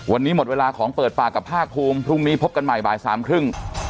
วันนี้หมดเวลาของเปิดปากกับภาคภูมิพรุ่งนี้พบกันใหม่บ่ายสามครึ่ง